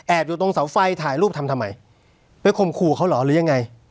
อยู่ตรงเสาไฟถ่ายรูปทำทำไมไปข่มขู่เขาเหรอหรือยังไง